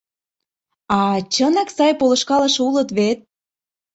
А чынак сай полышкалыше улыт вет?